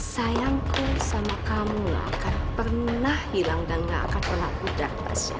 sayangku sama kamu gak akan pernah hilang dan gak akan pernah budak tasha